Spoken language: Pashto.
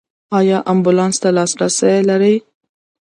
ایا امبولانس ته لاسرسی لرئ؟